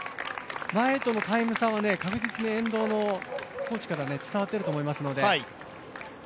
前とのタイム差は確実に沿道のコーチから伝わっていると思いますので。